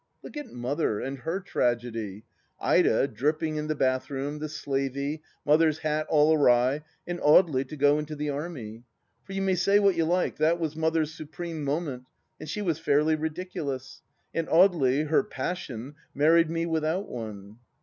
Look at Mother and her tragedy I Ida dripping in the bathroom, the slavey. Mother's hat all awry, and Audely to go into the Army ! For you may say what you like, that was Mother's supreme moment, and she was fairly ridiculous. And Audely, her passion, married me without one.